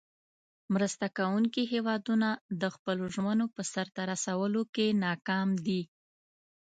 مرسته کوونکې هیوادونه د خپلو ژمنو په سر ته رسولو کې ناکام دي.